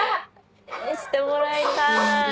してもらいたい。